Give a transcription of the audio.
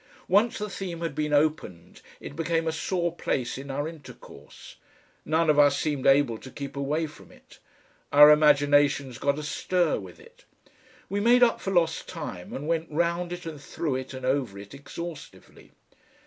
Once the theme had been opened it became a sore place in our intercourse; none of us seemed able to keep away from it. Our imaginations got astir with it. We made up for lost time and went round it and through it and over it exhaustively.